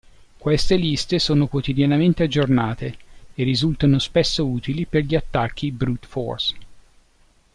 Queste liste sono quotidianamente aggiornate e risultano spesso utili per gli attacchi brute force.